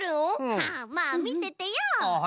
まあまあみててよ。